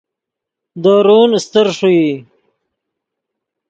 دورون استر ݰوئی